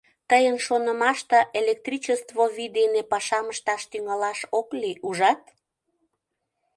Тыйын шонымаште, электричество вий дене пашам ышташ тӱҥалаш ок лий, ужат?